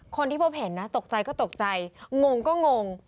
คนที่พบเห็นนะตกใจก็ตกใจงงก็งง